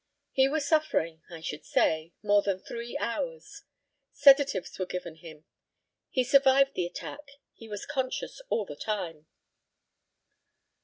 He was suffering, I should say, more than three hours. Sedatives were given him. He survived the attack. He was conscious all the time.